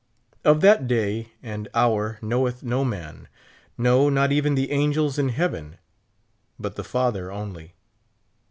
Of that day and hour knoweth no man ; no, not even the angels in heaven, but the Father only.